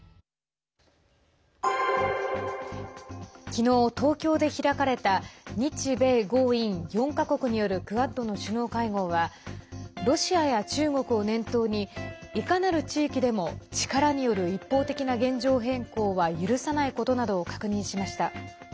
きのう、東京で開かれた日米豪印４か国によるクアッドの首脳会合はロシアや中国を念頭にいかなる地域でも力による一方的な現状変更は許さないことなどを確認しました。